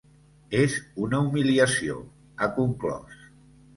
“És una humiliació”, ha conclòs.